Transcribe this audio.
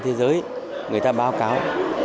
thế giới người ta báo cáo